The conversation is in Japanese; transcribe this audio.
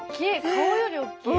顔より大きい。